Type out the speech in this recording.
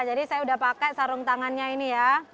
jadi saya udah pakai sarung tangannya ini ya